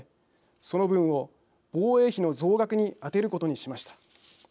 その分を防衛費の増額に充てることにしました。